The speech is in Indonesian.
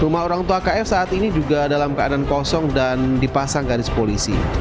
rumah orang tua kf saat ini juga dalam keadaan kosong dan dipasang garis polisi